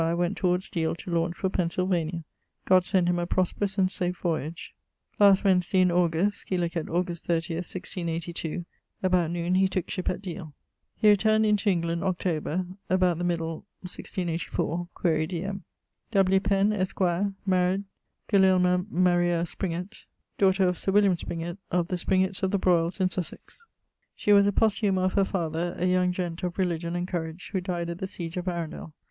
went towards Deale to launch for Pensylvania. God send him a prosperous and safe voyage. Last Wednesday in August (scil. Aug. 30, 1682) about noon he tooke shippe at Deale. He returned into England, October (about the middle) 1684 quaere diem. W. Penn, esq., married Gulielma Maria Springet, daughter of Sir William Springet, of the Springets of the Broyles in Sussex. She was a posthuma of her father, a young gent. of religion and courage who dyed at the siege of Arundel.